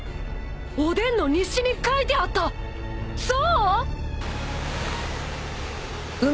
おでんの日誌に書いてあった象！？